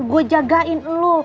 gua jagain lu